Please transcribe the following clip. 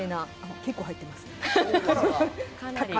結構入っています。